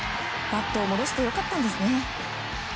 バットを戻して良かったんですね。